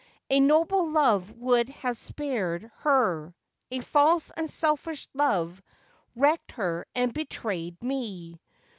A noble love would have spared her ; a false and selfish love wrecked her and betrayed me.